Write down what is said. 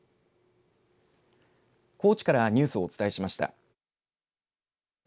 高知からニュースをお伝えしました。